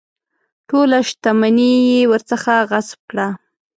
ټوله شته مني یې ورڅخه غصب کړه.